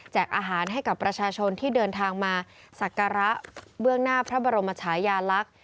อาหารให้กับประชาชนที่เดินทางมาศักระเบื้องหน้าพระบรมชายาลักษณ์